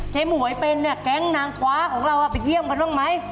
หมวยเป็นเนี่ยแก๊งนางฟ้าของเราไปเยี่ยมกันบ้างไหม